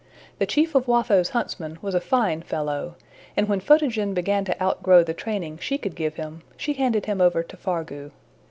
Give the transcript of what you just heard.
The chief of Watho's huntsmen was a fine fellow, and when Photogen began to outgrow the training she could give him, she handed him over to Fargu.